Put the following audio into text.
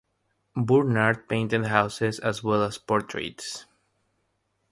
Burnard painted houses as well as portraits.